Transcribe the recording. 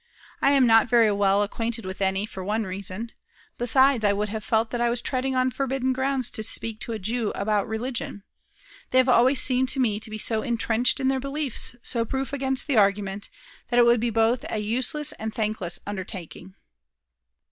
I am not very well acquainted with any, for one reason; besides, I would have felt that I was treading on forbidden grounds to speak to a Jew about religion. They have always seemed to me to be so intrenched in their beliefs, so proof against argument, that it would be both a useless and thankless undertaking."